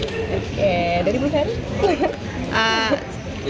oke dari ibu ferry